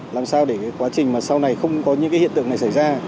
làm sao để quá trình sau này không có những hiện tượng này xảy ra